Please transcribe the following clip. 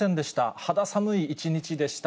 肌寒い一日でした。